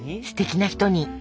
すてきな人に。